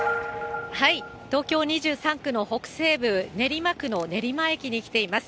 東京２３区の北西部、練馬区の練馬駅に来ています。